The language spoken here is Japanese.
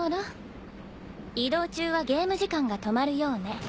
移動中はゲーム時間が止まるようね。